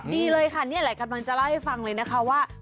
ดีเลยค่ะนี่แหละกำลังจะเล่าให้ฟังเลยนะคะว่า